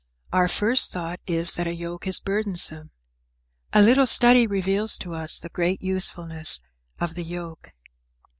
Our first thought is that a yoke is burdensome. A little study reveals to us the great usefulness of the yoke.